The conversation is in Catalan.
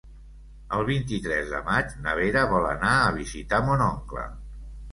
El vint-i-tres de maig na Vera vol anar a visitar mon oncle.